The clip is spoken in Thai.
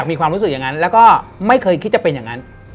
ไม่เอา